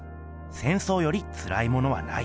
戦争よりつらいものはない」。